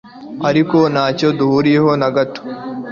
Ariko ntacyo duhuriyeho na gato.